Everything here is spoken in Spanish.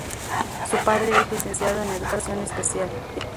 Su padre es licenciado en educación especial.